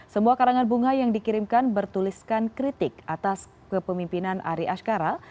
semua karangan bunga yang dikirimkan bertuliskan kritik atas kepemimpinan ari ashkara